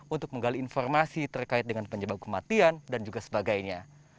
untuk menggali informasi terkait dengan penyebab kematian dan juga sebagainya